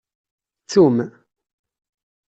Ttum!